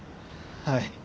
はい。